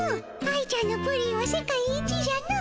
愛ちゃんのプリンは世界一じゃの。